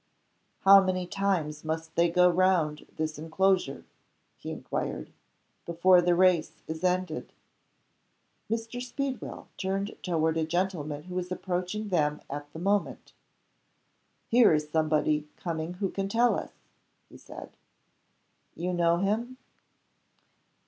"How many times must they go round this inclosure," he inquired, "before the race is ended?" Mr. Speedwell turned toward a gentleman who was approaching them at the moment. "Here is somebody coming who can tell us," he said. "You know him?"